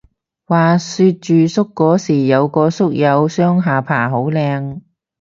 話說住宿嗰時有個宿友雙下巴好靚